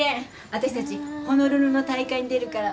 あたしたちホノルルの大会に出るから。